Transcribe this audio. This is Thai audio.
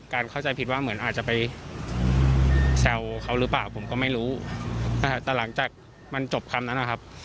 เข้าใจผิดว่าเหมือนอาจจะไปแซวเขาหรือเปล่าผมก็ไม่รู้แต่หลังจากมันจบคำนั้นนะครับ